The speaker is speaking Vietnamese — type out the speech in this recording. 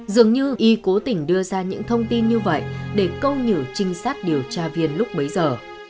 dường như y cố tình đưa ra những thông tin như vậy để câu nhử trinh sát điều tra viên lúc bấy giờ